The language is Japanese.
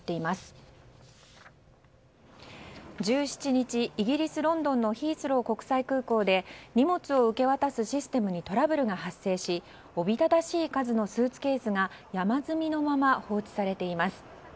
１７日、イギリス・ロンドンのヒースロー国際空港で荷物を受け渡すシステムにトラブルが発生しおびただしい数のスーツケースが山積みのまま放置されています。